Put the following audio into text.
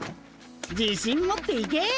自信持っていけ！